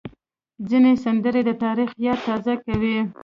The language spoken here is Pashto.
ځینې سندرې د تاریخ یاد تازه کوي.